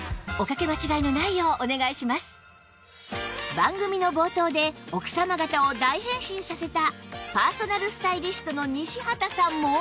番組の冒頭で奥様方を大変身させたパーソナルスタイリストの西畑さんも